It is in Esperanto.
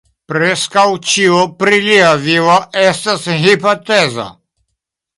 Preskaŭ ĉio pri lia vivo estas hipotezo.